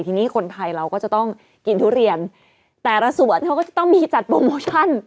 ทีนี้คนไทยเราก็จะต้องกินทุเรียนแต่ละสวนเขาก็จะต้องมีจัดโปรโมชั่น